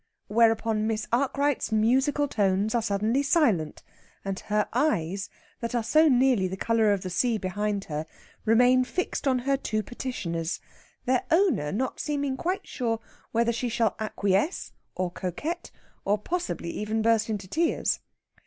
Whereupon Miss Arkwright's musical tones are suddenly silent, and her eyes, that are so nearly the colour of the sea behind her, remain fixed on her two petitioners, their owner not seeming quite sure whether she shall acquiesce, or coquette, or possibly even burst into tears.